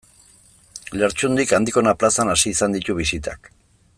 Lertxundik Andikona plazan hasi izan ditu bisitak.